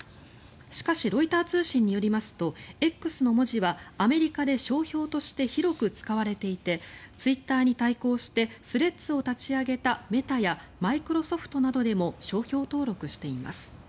しかしロイター通信によりますとＸの文字はアメリカで商標として広く使われていてツイッターに対抗してスレッズを立ち上げたマイクロソフトなどでも商標登録しています。